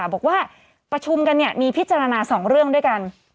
บอกว่าประชุมกันมีพิจารณา๒เรื่องด้วยกัน